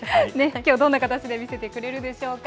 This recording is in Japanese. きょうどんな形で見せてくれるでしょうか。